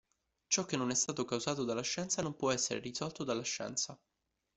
Ciò che non è stato causato dalla scienza, non può essere risolto dalla scienza.